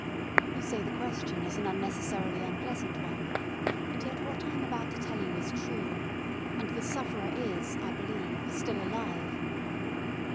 You say the question is an unnecessarily unpleasant one, and yet what I am about to tell you is true, and the sufferer is, I believe, still alive.